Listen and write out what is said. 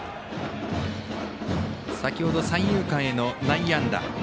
先ほど、三遊間への内野安打。